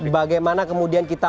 bagaimana kemudian kita